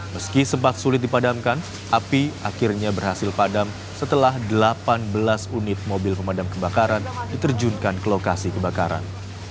meski sempat sulit dipadamkan api akhirnya berhasil padam setelah delapan belas unit mobil pemadam kebakaran diterjunkan ke lokasi kebakaran